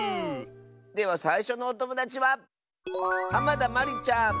ではさいしょのおともだちはまりちゃんの。